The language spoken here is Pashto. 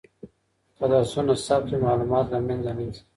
که درسونه ثبت وي، معلومات له منځه نه ځي.